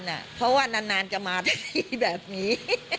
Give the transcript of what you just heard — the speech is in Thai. ก็เป็นห่วงบ้านเพราะว่านานก็มาที่นี่แบบนี้